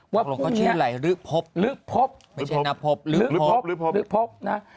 เขาเราก็ชื่ออะไรลื๊กพบไม่ใช่นับพบลื๊กพบนะครับ